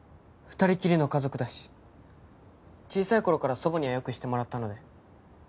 ２人きりの家族だし小さい頃から祖母には良くしてもらったので。